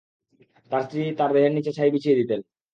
তার স্ত্রী তার দেহের নিচে ছাই বিছিয়ে দিতেন।